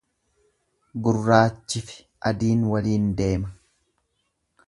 Gurraachi fi adiin waliin deema.